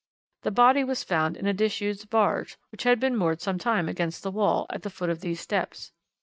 The body was found in a disused barge which had been moored some time against the wall, at the foot of these steps.